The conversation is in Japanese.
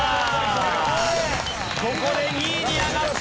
ここで２位に上がった。